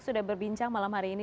sudah berbincang malam hari ini